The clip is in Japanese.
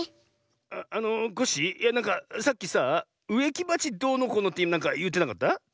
あっあのコッシーいやなんかさっきさあうえきばちどうのこうのってなんかいってなかった？